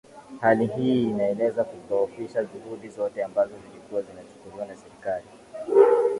hali hii inaeleza kudhoofisha juhudi zote ambazo zilikuwa zinachukuliwa na serikali